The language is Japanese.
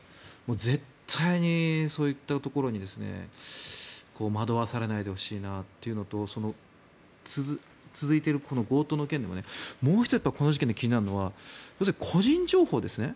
絶対にそういったところに惑わされないでほしいなということと続いている強盗の件でももう１つこの事件で気になるのは個人情報ですね。